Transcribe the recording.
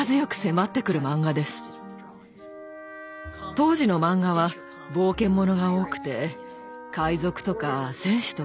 当時のマンガは冒険ものが多くて海賊とか戦士とかばかり。